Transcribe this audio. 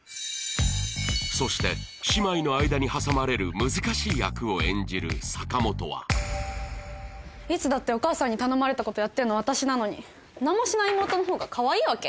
そして姉妹の間に挟まれる難しい役を演じる坂本はいつだってお母さんに頼まれたことやってんの私なのに何もしない妹の方がかわいいわけ？